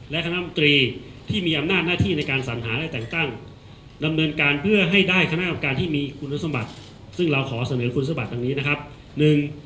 และคณะประการตรีที่มีอำนาจหน้าที่ในการสัญหาและแต่งตั้ง